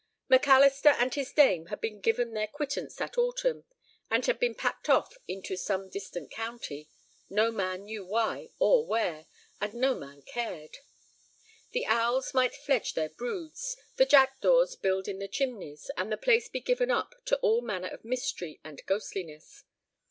MacAlister and his dame had been given their quittance that autumn, and had been packed off into some distant county, no man knew why or where, and no man cared. The owls might fledge their broods, the jackdaws build in the chimneys, and the place be given up to all manner of mystery and ghostliness.